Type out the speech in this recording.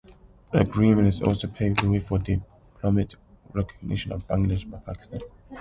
The agreement also paved the way for diplomatic recognition of Bangladesh by Pakistan.